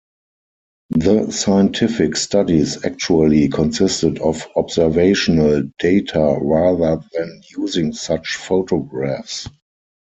The scientific studies actually consisted of observational data rather than using such photographs.